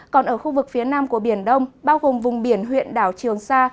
còn ở khu vực phía nam của biển đông bao gồm vùng biển huyện đảo trường sa